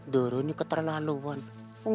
doro ini keterlaluan